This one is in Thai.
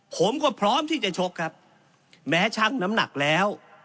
ผมก็พร้อมที่จะชกครับแม้ช่างน้ำหนักแล้ว